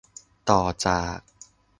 ต่อจาก